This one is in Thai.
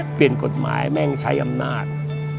เปลี่ยนกรดหมายใช้อำนาจ